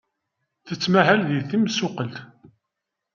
Tettmahal d timsuqqelt.